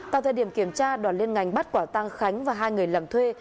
tại thời điểm kiểm tra đoàn liên ngành bắt quả tăng khánh và hai người làm thuê